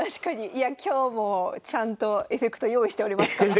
いや今日もちゃんとエフェクト用意しておりますから。